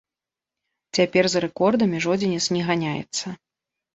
Цяпер за рэкордамі жодзінец не ганяецца.